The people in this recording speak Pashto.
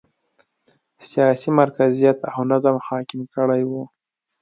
سیاسي مرکزیت او نظم حاکم کړی و.